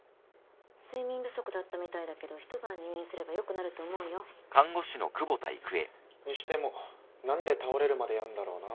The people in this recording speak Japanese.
睡眠不足だったみたいだけど一晩入院すれば良くなると思うよ。にしても何で倒れるまでやんだろうな。